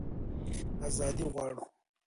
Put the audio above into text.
ازادي غواړو.